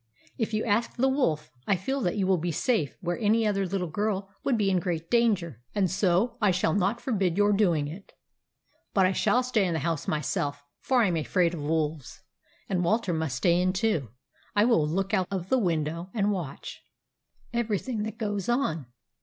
If you ask the wolf, I feel that you will be safe where any other little girl would be in great danger ; and so I shall not forbid your doing it. But I shall stay in the house myself, for I am afraid of wolves, and Walter must stay in, too. I will look out of the window and watch everything that goes on.